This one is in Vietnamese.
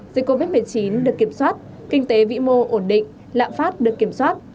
dịch covid một mươi chín được kiểm soát kinh tế vĩ mô ổn định lạm phát được kiểm soát